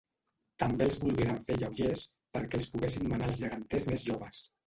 També els volgueren fer lleugers perquè els poguessin menar els geganters més joves.